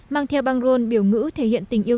mang theo băng rôn biểu ngữ thể hiện tình yêu